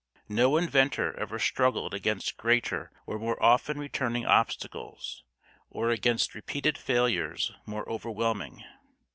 No inventor ever struggled against greater or more often returning obstacles, or against repeated failures more overwhelming.